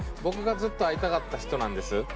僕がずっと会いたかった人なんです。